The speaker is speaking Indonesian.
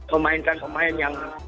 memainkan pemain yang